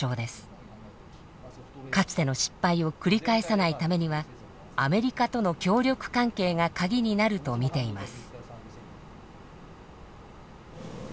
かつての失敗を繰り返さないためにはアメリカとの協力関係がカギになると見ています。